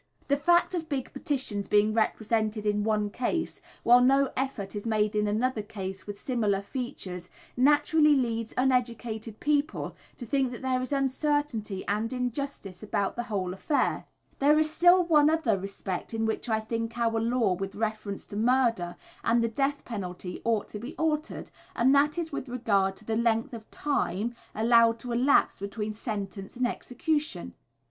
The fact of big petitions being presented in one case, while no effort is made in another case with similar features, naturally leads uneducated people to think that there is uncertainty and injustice about the whole affair. There is still one other respect in which I think that our law with reference to murder and the death penalty ought to be altered, and that is with regard to the length of time allowed to elapse between sentence and execution.